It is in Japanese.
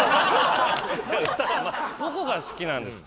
どこが好きなんですか？